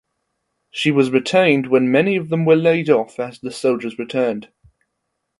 She was retained when many of them were laid off as the soldiers returned.